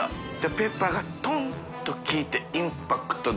ペッパーがトンッと効いてインパクトで。